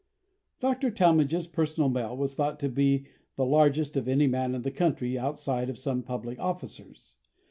Dr. Talmage's personal mail was thought to be the largest of any man in the country, outside of some of the public officers.